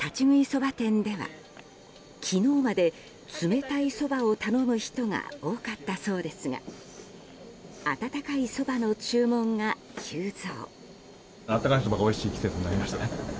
そば店では昨日まで冷たいそばを頼む人が多かったそうですが温かいそばの注文が急増。